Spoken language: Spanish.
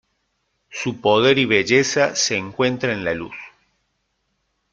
Su poder y belleza se encuentra en la luz.